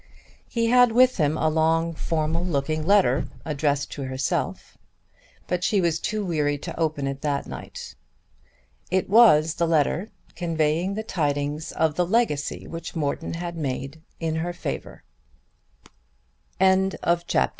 He had with him a long, formal looking letter addressed to herself. But she was too weary to open it that night. It was the letter conveying the tidings of the legacy which Morton had made in her favour. CHAPTER XIV.